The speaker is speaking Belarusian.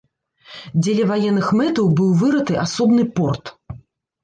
Дзеля ваенных мэтаў быў вырыты асобны порт.